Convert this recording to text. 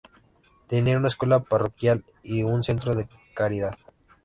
Tenía una escuela parroquial y un centro de caridad.